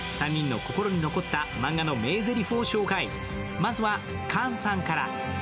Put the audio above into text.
まずは、菅さんから。